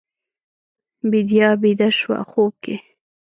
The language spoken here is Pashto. بیدیا بیده شوه خوب کې